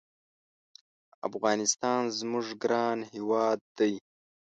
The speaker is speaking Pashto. افغانستان زمونږ ګران هېواد دی